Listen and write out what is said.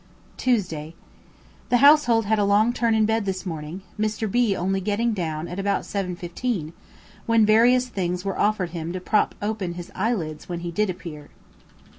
Tuesday. The household had a long turn in bed this morning, Mr. B only getting down at about 7.15, when various things were offered him to prop open his eye lids when he did appear.